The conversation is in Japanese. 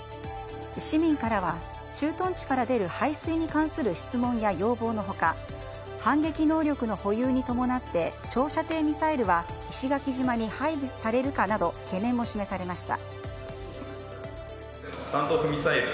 市民からは駐屯地から出る排水に関する質問や要望の他反撃能力の保有に伴って長射程ミサイルは石垣島に配備されるかなど懸念も示されました。